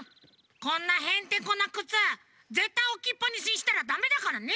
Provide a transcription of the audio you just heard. こんなへんてこなくつぜったいおきっぱなしにしたらダメだからね！